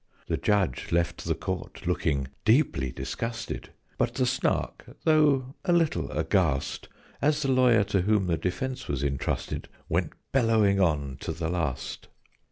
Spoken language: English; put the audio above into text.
The Judge left the Court, looking deeply disgusted: But the Snark, though a little aghast, As the lawyer to whom the defence was intrusted, Went bellowing on to the last.